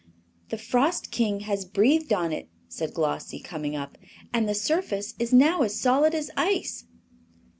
"The Frost King has breathed on it," said Glossie, coming up, "and the surface is now as solid as ice."